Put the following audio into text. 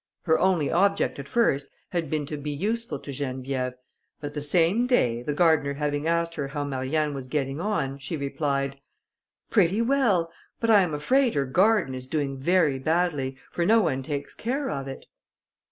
Her only object, at first, had been to be useful to Geneviève, but the same day, the gardener having asked her how Marianne was getting on, she replied, "Pretty well, but I am afraid her garden is doing very badly, for no one takes care of it."